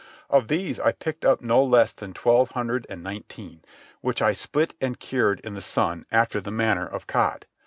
Of these I picked up no less than twelve hundred and nineteen, which I split and cured in the sun after the manner of cod.